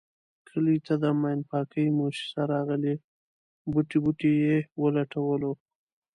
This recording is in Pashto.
کلي ته د ماین پاکی موسیسه راغلې بوټی بوټی یې و لټولو.